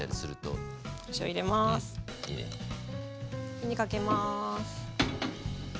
火にかけます。